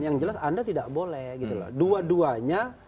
yang jelas anda tidak boleh dua duanya